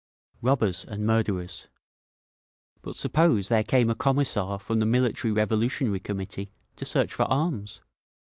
"Robbers and murderers." "But suppose there came a Commissar from the Military Revolutionary Committee to search for arms?"